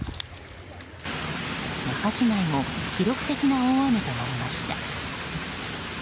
那覇市内も記録的な大雨となりました。